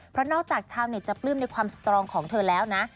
เพราะนอกจากชาวเน็ตจะปลื้มในความสตรองของเธอแล้วนะ